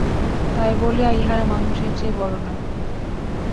তাই বলিয়া ইহারা মানুষের চেয়ে বড় নয়।